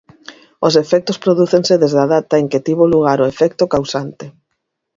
Os efectos prodúcense desde a data en que tivo lugar o efecto causante.